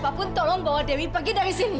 apapun tolong bawa dewi pergi dari sini